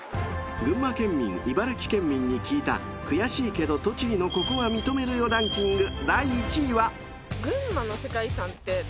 ［群馬県民茨城県民に聞いた悔しいけど栃木のここは認めるよランキング］